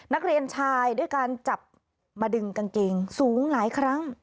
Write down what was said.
นักเรียนชายด้วยการจับมาดึงกางเกงสูงหลายครั้ง